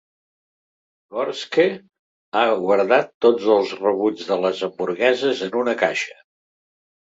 Gorske ha guardat tots els rebuts de les hamburgueses en una caixa.